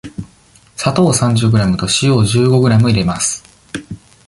砂糖を三十グラムと塩を十五グラム入れます。